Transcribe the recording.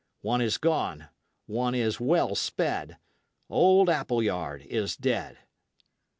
One is gone; one is wele sped; Old Apulyaird is ded.